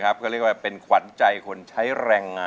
กินแล้วแบบโอ้มันแซ่บมากกว่า